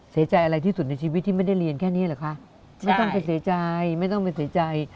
เสียใจอะไรที่สุดในชีวิตที่ไม่ได้เรียนแค่นี้เหรอคะไม่ต้องไปเสียใจไม่ต้องไปเสียใจ